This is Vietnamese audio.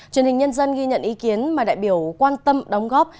truyền hình nhân dân ghi nhận ý kiến mà đại biểu quan tâm đóng góp